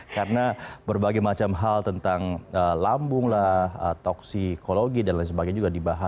karena berbagai macam hal tentang lambung toksikologi dan lain sebagainya juga dibahas